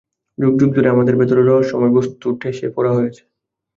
যুগ যুগ ধরে আমাদের ভেতরে রহস্যময় বস্তু ঠেসে পোরা হয়েছে।